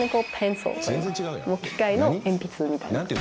機械の鉛筆みたいな。